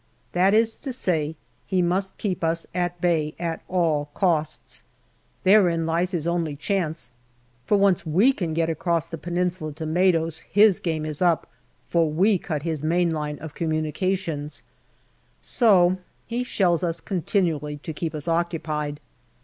That is to say, he must keep us at bay at all costs. Therein lies his only chance, for once we can get across the Peninsula to Maidos, his game is up, for we cut his main line of communications, so he shells us continually to keep us occupied.